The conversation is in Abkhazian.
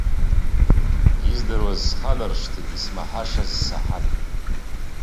Издыруаз сханаршҭит исмаҳашаз саҳан.